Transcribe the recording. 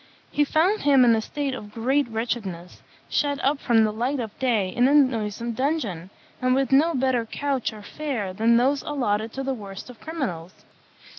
He found him in a state of great wretchedness, shut up from the light of day in a noisome dungeon, and with no better couch or fare than those allotted to the worst of criminals.